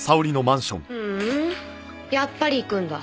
ふーんやっぱり行くんだ。